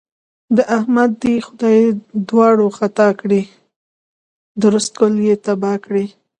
د احمد دې خدای دواړې خطا کړي؛ درست کلی يې تباه کړ.